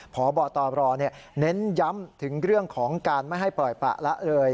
พบตรเน้นย้ำถึงเรื่องของการไม่ให้ปล่อยปละละเลย